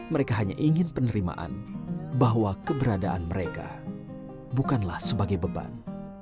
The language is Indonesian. mereka hanya ingin penerimaan bahwa keberadaan mereka bukanlah sebagai beban